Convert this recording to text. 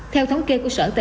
theo thống kê của sở tàn niên